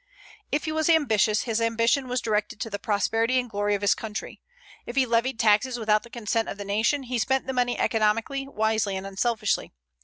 If he was ambitious, his ambition was directed to the prosperity and glory of his country. If he levied taxes without the consent of the nation, he spent the money economically, wisely, and unselfishly.